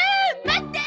待って！